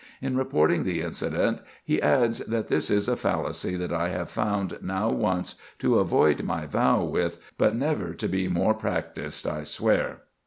In reporting the incident, he adds that this "is a fallacy that I have found now once, to avoid my vow with, but never to be more practised, I swear."